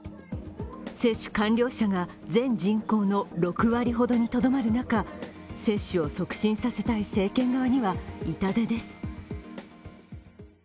接種完了者が全人口の６割程度にとどまる中、接種を促進させたい政権側には痛手です。